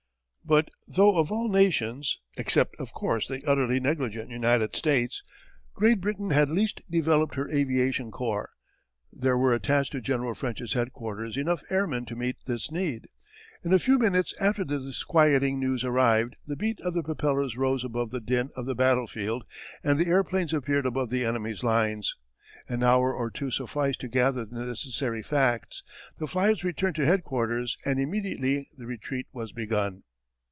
But though of all nations, except of course the utterly negligent United States, Great Britain had least developed her aviation corps, there were attached to General French's headquarters enough airmen to meet this need. In a few minutes after the disquieting news arrived the beat of the propellers rose above the din of the battlefield and the airplanes appeared above the enemy's lines. An hour or two sufficed to gather the necessary facts, the fliers returned to headquarters, and immediately the retreat was begun.